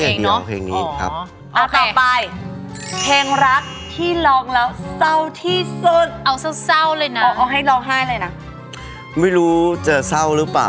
เอาเศร้าเลยนะออกให้ร้องไห้เลยนะไม่รู้จะเศร้าหรือเปล่า